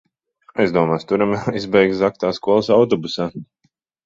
Aizdomās turamie aizbēga zagtā skolas autobusā.